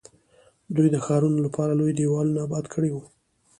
دوی د ښارونو لپاره لوی دیوالونه اباد کړي وو.